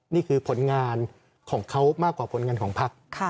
นี่คือผลงานของเขามากกว่าผลงานของพัก